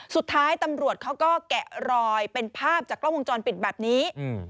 สุดท้ายตำรวจเขาก็แกะรอยเป็นภาพจากกล้องวงจรปิดแบบนี้